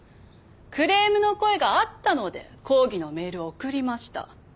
クレームの声があったので抗議のメールを送りました。